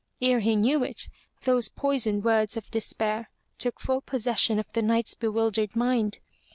Ere he knew it, those poisoned words of despair took full possession of the Knight's bewildered mind.